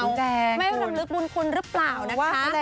ไม่รำลึกบุญคุณหรือเปล่านะคะ